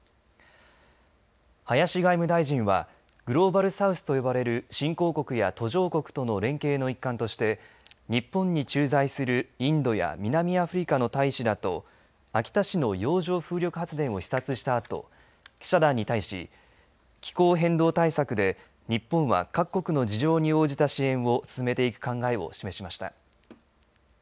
林外務大臣はグローバル・サウスと呼ばれる新興国や途上国との連携の一環として日本に駐在するインドや南アフリカの大使らと秋田市の洋上風力発電を視察したあと記者団に対し気候変動対策で日本は各国の事情に応じた支援を進めていく考えを示しました。